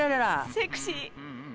セクシー。